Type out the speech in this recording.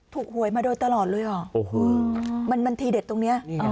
ถูกหวยมาโดยตลอดเลยอ่ะโอ้โฮมันมันทีเด็ดตรงเนี้ยนี่ไง